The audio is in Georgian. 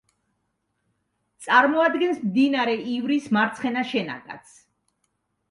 წარმოადგენს მდინარე ივრის მარცხენა შენაკადს.